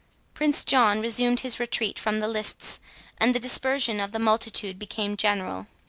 Prince John resumed his retreat from the lists, and the dispersion of the multitude became general.